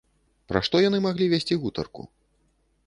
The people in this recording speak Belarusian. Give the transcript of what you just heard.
Пра што яны маглі весці гутарку?